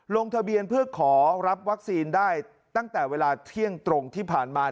ลงทะเบียนเพื่อขอรับวัคซีนได้ตั้งแต่เวลาเที่ยงตรงที่ผ่านมา